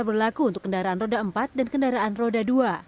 berlaku untuk kendaraan roda empat dan kendaraan roda dua